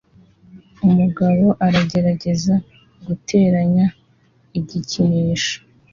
Umugabo aragerageza guteranya igikinisho